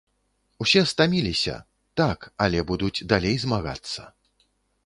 Усе стаміліся, так, але будуць далей змагацца.